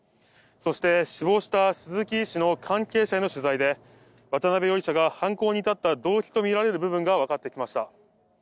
そして死亡した鈴木医師の関係者への取材で渡邊容疑者が犯行に至った動機とみられる部分が分かってきました。